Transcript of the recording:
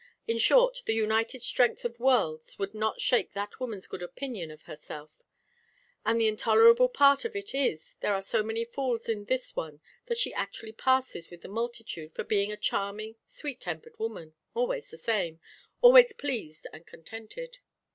In short, the united strength of worlds would not shake that woman's good opinion of herself; and the intolerable part of it is there are so many fools in this one that she actually passes with the multitude for being a charming sweet tempered woman always the same always pleased and contented.